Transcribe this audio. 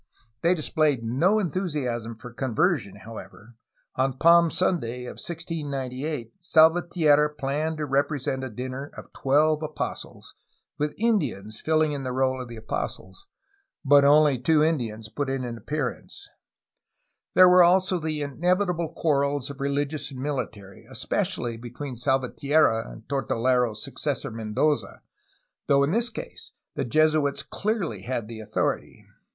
They displayed no enthusiasm for conversion, how ever; on Palm Sunday of 1698 Salvatierra planned to repre sent a dinner of the twelve apostles, with Indians filling the role of the apostles, but only two Indians put in an appear ' THE JESUITS IN BAJA CALIFORNIA, 1697 1768 177 ance. There were also the inevitable quarrels of religious and military, especially between Salvatierra and Tortolero^s successor, Mendoza, though in this case the Jesuits clearly had authority.